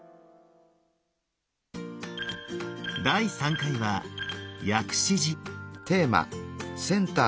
第３回は薬師寺。